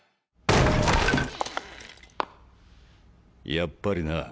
やっぱりな。